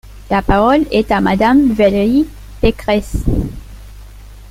La parole est à Madame Valérie Pécresse.